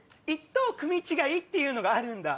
１等組違いっていうのがあるんだ。